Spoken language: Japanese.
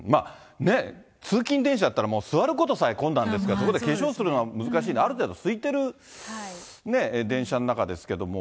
通勤電車やったら座ることさえ困難ですから、そこで化粧するのは難しいんで、ある程度空いてる電車の中ですけども。